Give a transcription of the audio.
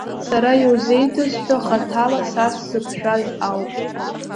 Сара иузеиҭасҳәо хаҭала са сзықәшәаз ауп.